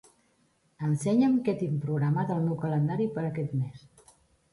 Ensenya'm què tinc programat al meu calendari per aquest mes.